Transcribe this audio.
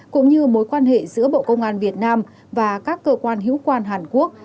cũng như mối quan hệ giữa bộ công an việt nam và các cơ quan hữu quan hàn quốc